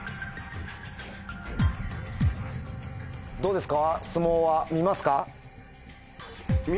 どうですか？